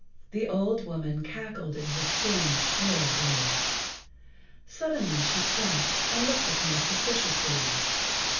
The old woman[Pg 60] cackled in her thin, shrill voice. Suddenly she stopped and looked at him suspiciously.